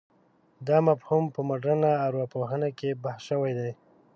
دا مفهوم په مډرنه ارواپوهنه کې بحث شوی دی.